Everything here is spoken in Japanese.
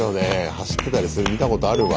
走ってたりするの見たことあるわ。